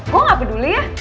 gue gak peduli ya